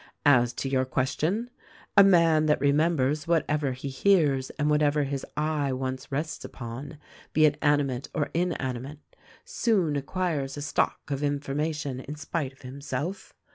As to your question : A man that remembers whatever he hears and whatever his eye once rests upon — be it animate or inani mate — soon acquires a stock of information in spite of him self.